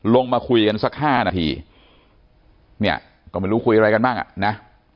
ลงมาคุยกันสัก๕นาทีเนี่ยก็ไม่รู้คุยอะไรกันบ้างอ่ะนะ